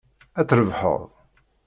Ad trebḥeḍ.